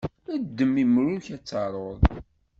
Ddem imru-k ad taruḍ.